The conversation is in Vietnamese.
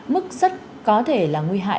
mức rất có thể là nguy hại